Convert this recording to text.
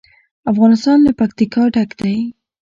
افغانستان له پکتیکا ډک دی.